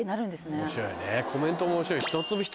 面白いね。